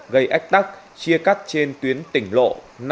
gây ách tắc chia cắt trên tuyến tỉnh lộ năm trăm năm mươi một